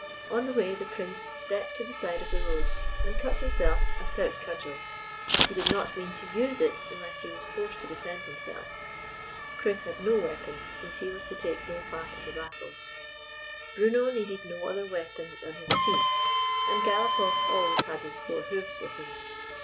On the way the Prince stepped to the side of the road, and cut himself a stout cudgel. He did not mean to use it unless he was forced to defend himself. Chris had no weapon, since he was to take no part in the battle. 213 GYPSY, THE TALKING DOG Bruno needed no other weapon than his teeth, and Galopoff always had his four hoofs with him.